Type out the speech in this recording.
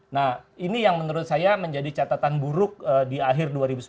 nah ini yang menurut saya menjadi catatan buruk di akhir dua ribu sembilan belas